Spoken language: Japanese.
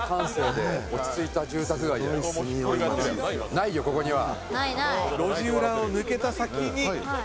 ないよ、ここには。